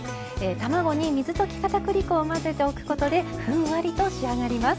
卵に水溶きかたくり粉を混ぜておくことでふんわりと仕上がります。